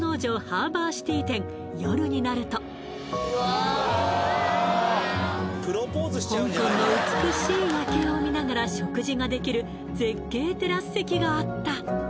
ハーバーシティ店香港の美しい夜景を見ながら食事ができる絶景テラス席があった